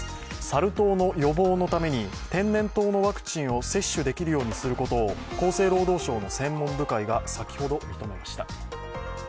サル痘の予防のために天然痘のワクチンを接種できるようにすることを厚生労働省の専門部会が先ほど認めました。